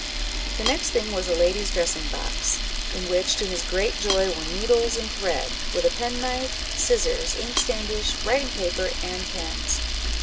The next thing was a ladies' dressing box, in which, to his great joy, were needles and thread, with a penknife, scissors, inkstandish, writing paper, and pens.